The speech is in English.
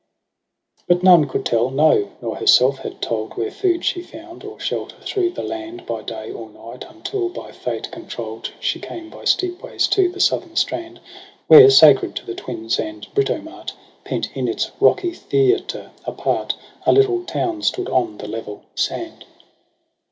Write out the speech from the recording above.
20 But none could tell, no, nor herself had told Where food she found, or shelter through the land By day or night ; until by fate control'd She came by steep ways to the southern strand, Where, sacred to the Twins and Britomart, Pent in its rocky theatre apart, A little town stood on the level sand.